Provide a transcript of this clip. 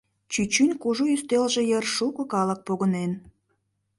Чӱчӱн кужу ӱстелже йыр шуко калык погынен.